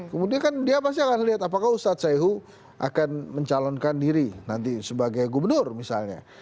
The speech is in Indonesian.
kemudian kan dia pasti akan melihat apakah ustadz sayhu akan mencalonkan diri nanti sebagai gubernur misalnya